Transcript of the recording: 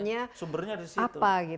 oh ini sumbernya apa